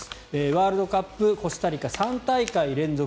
ワールドカップコスタリカ、３大会連続